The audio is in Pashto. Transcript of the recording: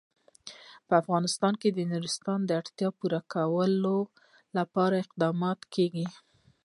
په افغانستان کې د نورستان د اړتیاوو پوره کولو لپاره اقدامات کېږي.